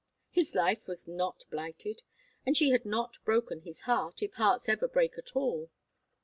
His life was not blighted, and she had not broken his heart, if hearts ever break at all.